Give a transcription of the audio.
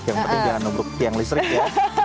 yang penting jangan nubruk tiang listrik ya